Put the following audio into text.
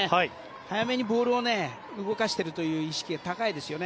速めにボールを動かしているという意識が高いですよね。